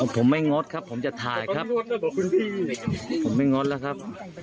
ผมไม่งดครับผมจะถ่ายครับผมไม่งดแล้วครับ